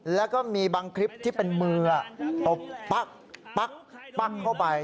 แล้วก็มีบางคลิปที่เป็นมือตบปั๊กปั๊กเข้าไป